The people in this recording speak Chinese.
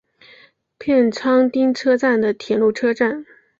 片仓町车站的铁路车站。